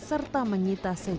serta menyita sejarah